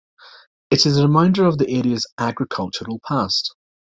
It is a reminder of the area's agricultural past.